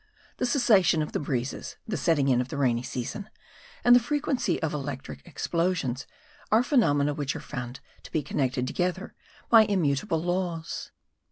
The cessation of the breezes, the setting in of the rainy season, and the frequency of electric explosions, are phenomena which are found to be connected together by immutable laws.